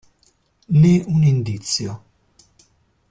Né un indizio.